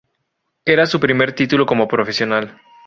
Era su primer título como profesional.